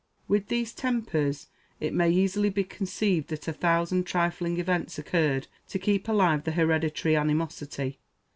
With these tempers, it may easily be conceived that a thousand trifling events occurred to keep alive the hereditary animosity.